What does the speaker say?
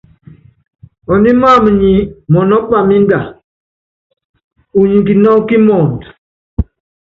Ɔními wam nyi mɔnɔ́ pámínda, unyi kinɔ́kɔ kí muundɔ.